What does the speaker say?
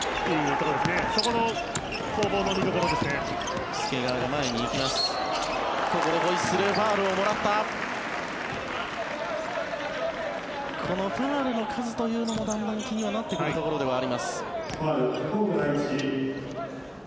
このファウルの数というのもだんだん気にはなってくるところではあります。